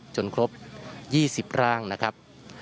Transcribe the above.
ครบ๒๐ร่างนะครับ